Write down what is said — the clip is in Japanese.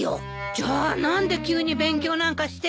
じゃあ何で急に勉強なんかしてるのよ。